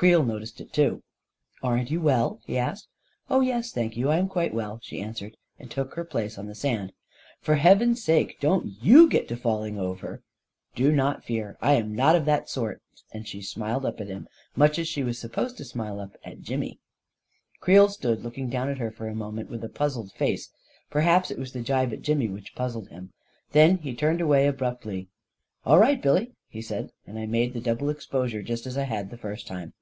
Creel noticed it too. " Aren't you well ?" he asked. u Oh, yes, thank you, I am quite well," she an swered, and took her place on the sand. " For heaven's sake, don't you get to falling over !" 2 4 o A KING IN BABYLON " Do not fear ; I am not of that sort/' and she smiled up at him much as she was supposed to smile up at Jimmy. Creel stood looking down at her for a moment with a puzzled face — perhaps it was the jibe at Jimmy which puzzled him !— then he turned away abruptly. " All right, Billy/' he said, and I made the dou ble exposure, just as I had the first time.